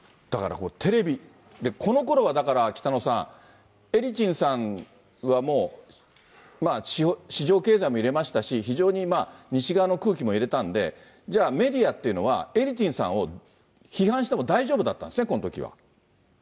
だからテレビ、このころは北野さん、エリツィンさんはもう、市場経済も入れましたし、非常に西側の空気も入れたんで、じゃあ、メディアっていうのは、エリツィンさんを批判しても大丈夫だったんですね、このときは。